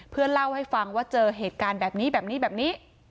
เล่าให้ฟังว่าเจอเหตุการณ์แบบนี้แบบนี้แบบนี้